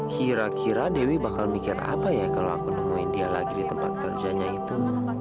kira kira dewi bakal mikir apa ya kalau aku nemuin dia lagi di tempat kerjanya itu